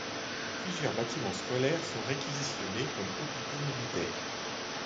Plusieurs bâtiments scolaires sont réquisitionnés comme hôpitaux militaires.